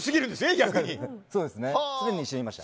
逆に。